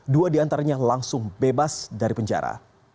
dua di antaranya langsung bebas dari penjara